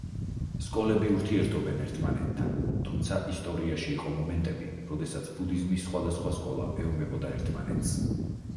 სკოლები ურთიერთობენ ერთმანეთთან, თუმცა ისტორიაში იყო მომენტები, როდესაც ბუდიზმის სხვადასხვა სკოლა ეომებოდა ერთმანეთს.